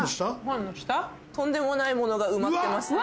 とんでもないものが埋まってます。